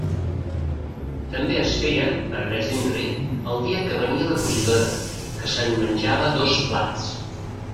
També es feia, per a més inri, el dia que venia la cosidora, que se'n menjava dos plats.